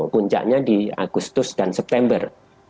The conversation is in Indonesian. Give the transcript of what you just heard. puncaknya di agustus dan september